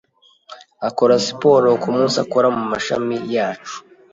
akora siporo kumunsi akora mumashami yacu